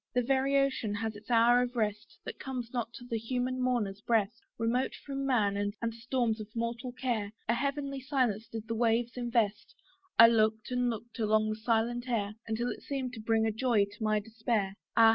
The very ocean has its hour of rest, That comes not to the human mourner's breast. Remote from man, and storms of mortal care, A heavenly silence did the waves invest; I looked and looked along the silent air, Until it seemed to bring a joy to my despair. Ah!